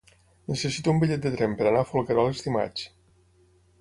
Necessito un bitllet de tren per anar a Folgueroles dimarts.